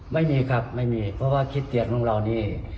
ไม่มีครับไม่มีเพราะว่าขี้เกียจของเรานี่